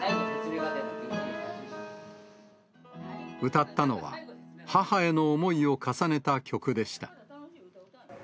歌ったのは、母への思いを重ねた曲でした。